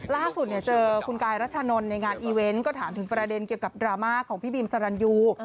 ล่าสุดเจอคุณกายรัชนนท์ในงานอีเวนต์ก็ถามถึงประเด็นเกี่ยวกับดราม่าของพี่บีมสรรยู